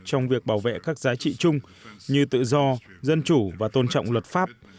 trong việc bảo vệ các giá trị chung như tự do dân chủ và tôn trọng luật pháp